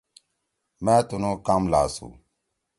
مأ تُنُو کام لھاسُو۔